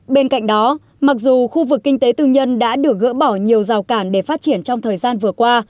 bên cạnh đó mặc dù khu vực kinh tế tư nhân đã được gỡ bỏ nhiều rào cản để phát triển trong thời gian vừa qua